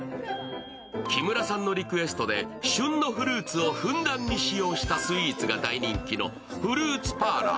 木村さんのリクエストで旬のフルーツをふんだんに使用したスイーツが大人気のフルーツパーラー